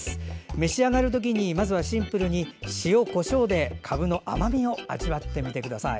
召し上がる時にまずはシンプルに塩とこしょうでかぶの甘みを味わってみてください。